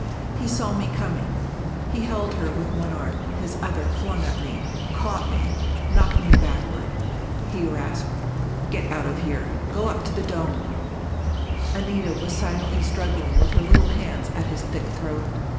He saw me coming. He held her with one arm! his other flung at me, caught me, knocked me backward. He rasped: "Get out of here! Go up to the dome " Anita was silently struggling with her little hands at his thick throat.